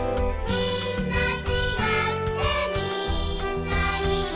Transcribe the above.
「みんなちがってみんないい」